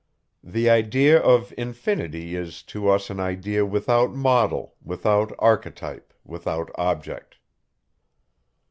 The idea of infinity is to us an idea without model, without archetype, without object.